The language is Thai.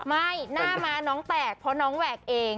หน้าม้าน้องแตกเพราะน้องแหวกเอง